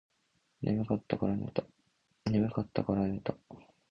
眠かったらから寝た